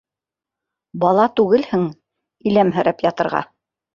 Бала түгелһең, иләмһерәп ятырға!